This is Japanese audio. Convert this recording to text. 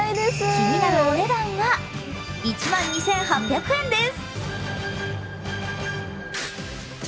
気になるお値段は１万２８００円です